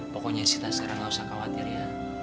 pokoknya kita sekarang gak usah khawatir ya